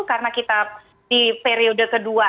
karena kita di periode kedua